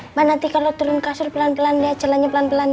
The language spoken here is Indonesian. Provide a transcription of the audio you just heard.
mbak nanti kalo turun kasur pelan pelan liat celanya pelan pelan ya